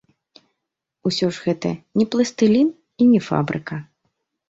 Усё ж, гэта не пластылін і не фабрыка.